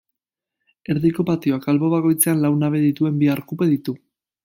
Erdiko patioak, albo bakoitzean lau nabe dituen bi arkupe ditu.